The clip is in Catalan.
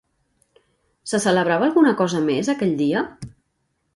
Se celebrava alguna cosa més aquell dia?